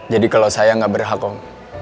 jadi kalau saya gak berhak om